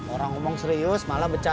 orang ngomong serius malah pecah